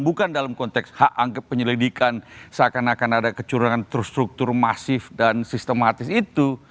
bukan dalam konteks hak angket penyelidikan seakan akan ada kecurangan terstruktur masif dan sistematis itu